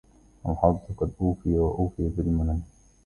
الحظ قد أوفى وأوفى بالمنن